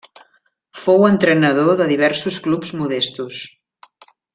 Fou entrenador de diversos clubs modestos.